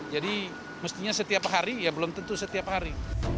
jadi mestinya setiap hari ya belum tentu setiap hari